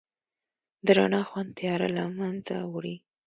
د رڼا خوند تیاره لمنځه وړي.